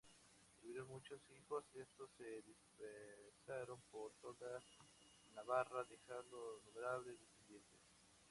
Tuvieron muchos hijos: estos se dispersaron por toda Navarra, dejando numerables descendientes.